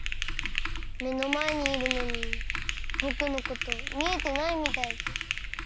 めのまえにいるのにぼくのことみえてないみたいで。